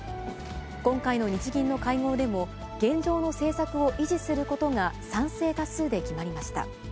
今回の日銀の会合でも、現状の政策を維持することが賛成多数で決まりました。